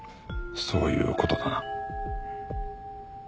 そういう事だな。